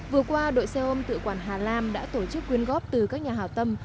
vừa qua đội xe ôm tự quản hà lam đã tổ chức quyên góp từ các nhà hảo tâm